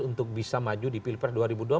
untuk bisa maju di pilpres dua ribu dua puluh